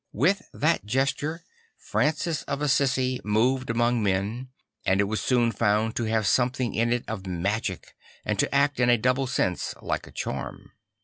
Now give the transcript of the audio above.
With that gesture Francis of Assisi nloved among men; and it was soon found to have some thing in it of magic and to act, in a double sense, like a charm.